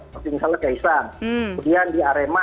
misalnya keisan kemudian di arema